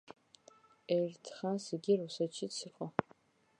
ერთხანს იგი რუსეთშიც იყო.